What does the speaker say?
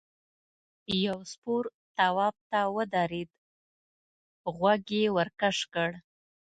یو سپور تواب ته ودرېد غوږ یې ورکش کړ.